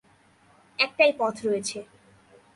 একটাই পথ রয়েছে।